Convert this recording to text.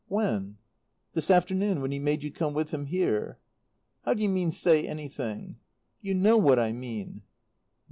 "When?" "This afternoon, when he made you come with him here?" "How do you mean, 'say anything'?" "You know what I mean."